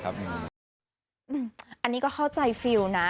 อันนี้ก็เข้าใจฟิลล์นะ